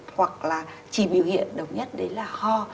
hoặc là chỉ biểu hiện đồng nhất đấy là ho